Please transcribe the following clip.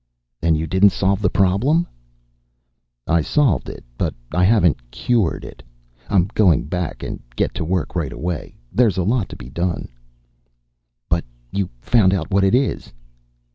"Then you didn't solve the problem?" "I solved it, but I haven't cured it. I'm going back and get to work right away. There's a lot to be done." "But you found out what it is?"